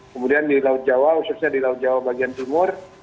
kemudian di laut jawa khususnya di laut jawa bagian timur